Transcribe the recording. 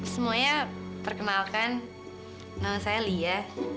semuanya perkenalkan nama saya lia